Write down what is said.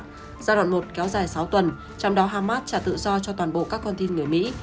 giai đoạn một kéo dài sáu tuần trong đó hamas trả tự do cho toàn bộ các con tin người mỹ